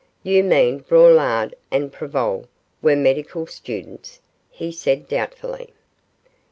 'You mean Braulard and Prevol were medical students?' he said, doubtfully.